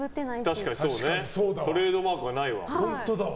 トレードマークがないわ。